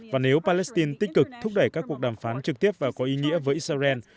và nếu palestine tích cực thúc đẩy các cuộc đàm phán trực tiếp và có ý nghĩa với israel